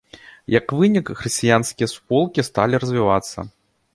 Як вынік, хрысціянскія суполкі сталі развівацца.